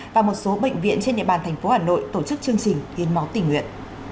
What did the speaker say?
và một số bệnh viện trên địa bàn thành phố hà nội tổ chức chương trình hiến máu tỉnh nguyện